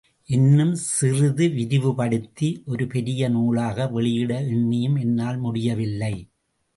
இன்னும் சிறிது விரிவுபடுத்தி, ஒரு பெரிய நூலாக வெளியிட எண்ணியும், என்னால் முடியவில்லை.